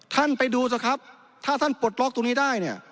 ท่านไปดูสิครับถ้าท่านปลดล็อกตรงนี้ได้เนี่ย